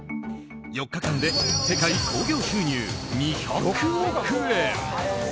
４日間で世界興行収入２００億円。